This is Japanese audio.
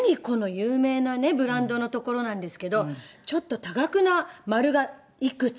有名なねブランドのところなんですけどちょっと多額な丸がいくつ？みたいなのが。